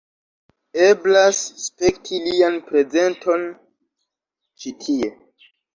Eblas spekti lian prezenton ĉi tie.